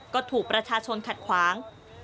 ก็ถูกประชาชนขัดขวาง